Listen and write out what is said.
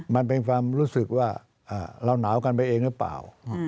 มันเป็นความรู้สึกว่าเราหนาวกันไปเองหรือเปล่า